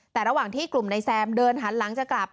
แต่ระหว่างที่กลุ่มนายแซมเดินหันหลังจะกลับ